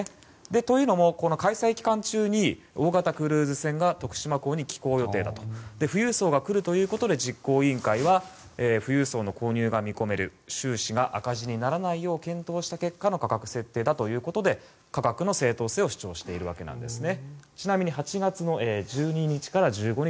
というのも、開催期間中に大型クルーズ船が徳島港に寄港予定だと。富裕層が来るということで実行委員会は富裕層の購入が見込める収支が赤字にならないよう検討した結果の価格設定だということで価格の正当性を主張しているわけなんですね。